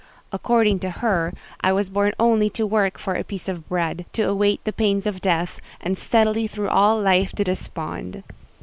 According to her, I was born only to work for a piece of bread, to await the pains of death, and steadily through all life to despond.